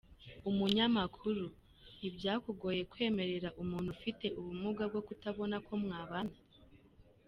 Umunyamakuru: Ntibyakugoye kwemerera umuntu ufite ubumuga bwo kutabona ko mwabana?.